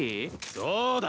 そうだ！